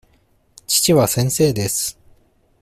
父は先生です。